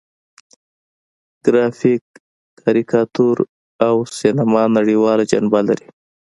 ګرافیک، کاریکاتور او سینما نړیواله جنبه لري.